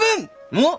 おっ！